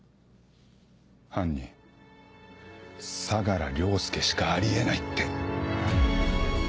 犯人相良凌介しかあり得ないって。